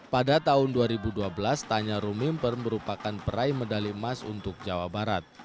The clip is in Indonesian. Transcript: pada tahun dua ribu dua belas tanya rumimper merupakan peraih medali emas untuk jawa barat